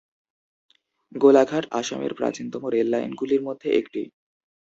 গোলাঘাট আসামের প্রাচীনতম রেল লাইনগুলির মধ্যে একটি।